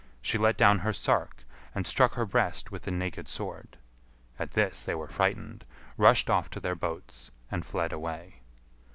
She let down her sark and struck her breast with the naked sword. At this they were frightened, rushed off to their boats, and fled away.